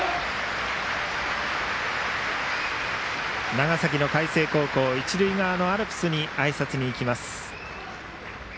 長崎の海星高校一塁側のアルプスにあいさつに行きます。